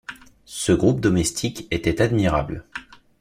Ce groupe domestique était admirable.